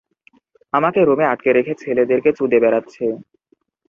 আমাকে রুমে আটকে রেখে ছেলেদেরকে চুদে বেড়াচ্ছে।